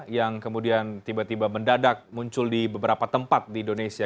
yang kemudian tiba tiba mendadak muncul di beberapa tempat di indonesia